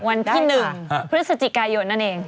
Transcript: วันที่๑พฤศจิกายนนั่นเอง